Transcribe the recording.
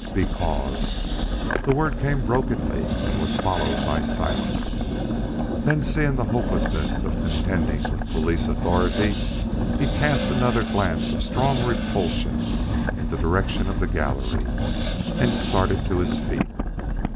"Because " The word came brokenly and was followed by silence. Then, seeing the hopelessness of contending with police authority, he cast another glance of strong repulsion in the direction of the gallery and started to his feet.